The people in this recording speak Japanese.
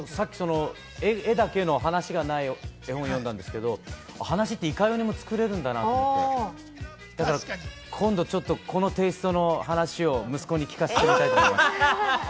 絵だけの話がない絵本を読んだんですけど、話はいかようにもつくれるんだなと思って、今度、このテイストの話を息子に聞かせてみたいと思います。